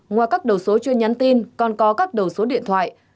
ngoài các đầu số chuyên nhắn tin còn có các đầu số điện thoại